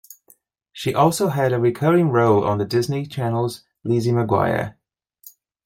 She also had a recurring role on the Disney Channel's "Lizzie McGuire".